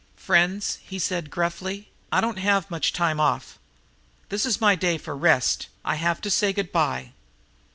"Friends," he said gruffly, "I don't have much time off. This is my day for rest. I have to say good by."